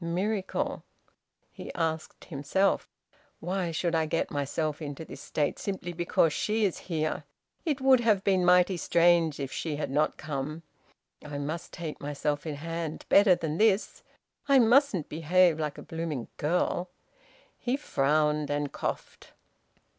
Miracle! He asked himself: "Why should I get myself into this state simply because she is here? It would have been mighty strange if she had not come. I must take myself in hand better than this. I mustn't behave like a blooming girl." He frowned and coughed.